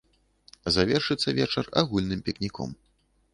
Завершыцца вечар агульным пікніком.